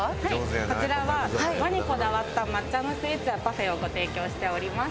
こちらは和にこだわった抹茶のスイーツやパフェをご提供しております。